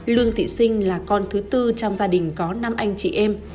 lương thị sinh là con thứ tư trong gia đình có năm anh chị em